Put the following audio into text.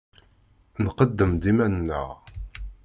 Nqeddem-d iman-nneɣ.